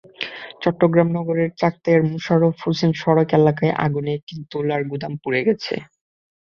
চট্টগ্রাম নগরের চাক্তাইয়ের মোশাররফ হোসেন সড়ক এলাকায় আগুনে একটি তুলার গুদাম পুড়ে গেছে।